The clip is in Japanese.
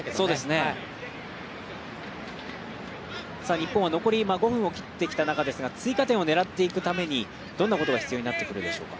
日本は残り５分を切ってきた中ですが、追加点を狙っていくために、どんなことが必要になってくるでしょうか？